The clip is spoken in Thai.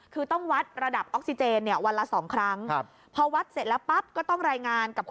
คือต้องวัดระดับออกซิเจนวันละ๒ครั้ง